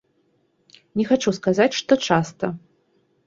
Не хачу сказаць, што часта.